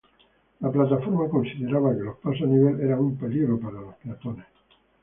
La plataforma consideraba que los pasos a nivel eran un peligro para los peatones.